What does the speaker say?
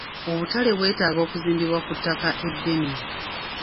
Obutale bwetaaga okuzimbibwa ku ttaka eddene.